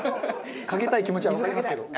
かけたい気持ちはわかりますけど。